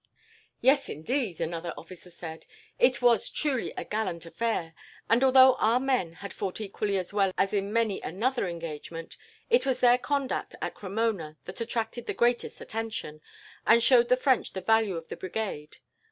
"Yes, indeed," another officer said. "It was truly a gallant affair; and, although our men had fought equally as well in many another engagement, it was their conduct at Cremona that attracted the greatest attention, and showed the French the value of the Brigade.